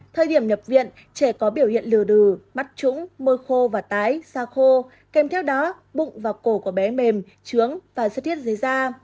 thời điểm nhập viện trẻ có biểu hiện lừa đừ mắt trũng môi khô và tái xa khô kèm theo đó bụng vào cổ của bé mềm trướng và xuất thiết dưới da